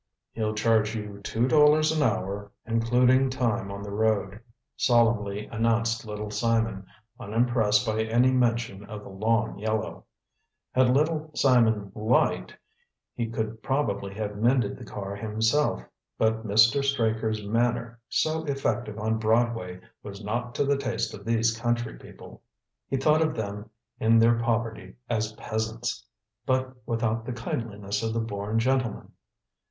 "He'll charge you two dollars an hour, including time on the road," solemnly announced Little Simon, unimpressed by any mention of the long yellow. Had Little Simon "liked," he could probably have mended the car himself, but Mr. Straker's manner, so effective on Broadway, was not to the taste of these country people. He thought of them in their poverty as "peasants," but without the kindliness of the born gentleman.